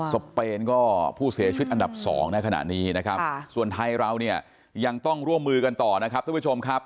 เปนก็ผู้เสียชีวิตอันดับ๒ในขณะนี้นะครับส่วนไทยเราเนี่ยยังต้องร่วมมือกันต่อนะครับทุกผู้ชมครับ